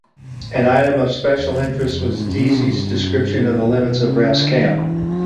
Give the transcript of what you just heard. An item of special interest was Deasy's description of the limits of Raskam.